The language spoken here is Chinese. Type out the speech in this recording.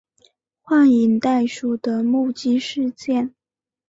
幻影袋鼠的目击事件。